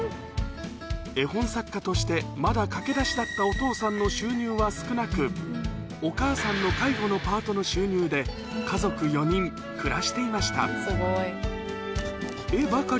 絵本作家としてまだ駆け出しだったお父さんの収入は少なく、お母さんの介護のパートの収入で、家族４人、暮らしていました。